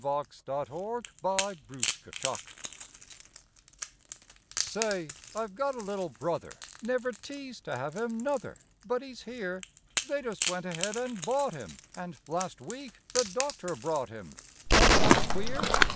HIS NEW BROTHER Say, I've got a little brother, Never teased to have him, nuther, But he's here; They just went ahead and bought him, And, last week the doctor brought him, Wa'n't that queer?